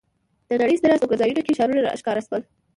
د نړۍ ستر استوګنځایونو کې ښارونه را ښکاره شول.